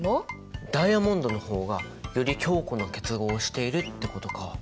ダイヤモンドの方がより強固な結合をしているってことか！